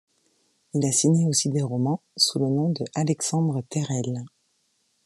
Il a signé aussi des romans sous le nom de Alexandre Terrel.